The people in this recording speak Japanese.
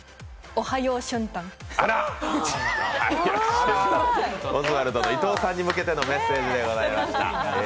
オズワルドの伊藤さんに向けてのメッセージでございました。